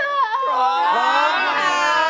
พร้อมค่ะ